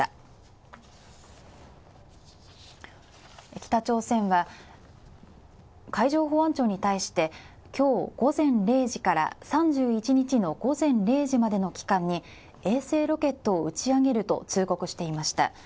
北朝鮮は海上保安庁に対して今日午前０時から３１日の午前０時までの期間に衛星ロケットを打ち上げると通告していました。